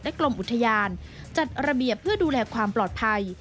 กรมอุทยานจัดระเบียบเพื่อดูแลความปลอดภัย